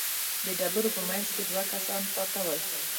د ډبرو په مينځ کې دوه کسان پراته ول.